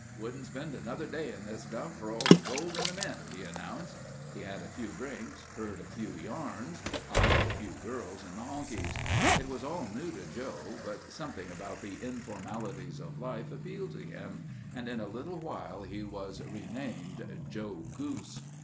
"Wouldn't spend another day in this dump for all the gold in the mint," he announced. He had a few drinks, heard a few yarns, eyed a few girls in the honkies. It was all new to Joe, but something about the informalities of life appealed to him and in a little while he was renamed Joe Goose.